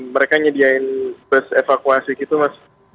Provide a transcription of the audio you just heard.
mereka nyediain bus evakuasi gitu mas